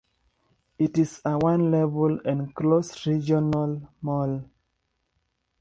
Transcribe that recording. It is a one-level, enclosed regional mall.